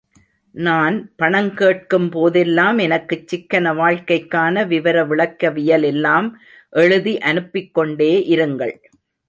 நான் பணம் கேட்கும் போதெல்லாம் எனக்குச் சிக்கன வாழ்க்கைக்கான விவர விளக்கவியல் எல்லாம் எழுதி அனுப்பிக்கொண்டே இருங்கள்.